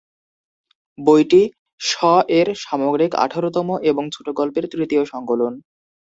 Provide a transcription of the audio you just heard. বইটি শ-এর সামগ্রিক আঠারোতম এবং ছোটগল্পের তৃতীয় সংকলন।